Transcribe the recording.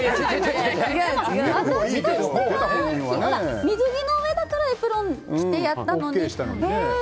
私としては水着の上だからエプロンを着てやったのに。